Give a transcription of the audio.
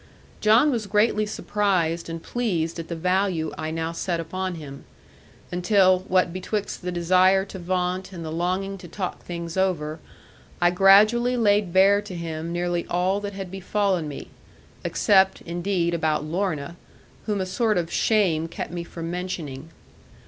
John was greatly surprised and pleased at the value I now set upon him; until, what betwixt the desire to vaunt and the longing to talk things over, I gradually laid bare to him nearly all that had befallen me; except, indeed, about Lorna, whom a sort of shame kept me from mentioning.